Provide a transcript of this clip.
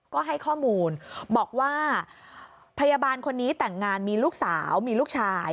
ก็ให้ข้อมูลบอกว่าพยาบาลคนนี้แต่งงานมีลูกสาวมีลูกชาย